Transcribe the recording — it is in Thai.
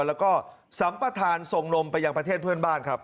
แล้วก็สัมประธานส่งนมไปยังประเทศเพื่อนบ้านครับ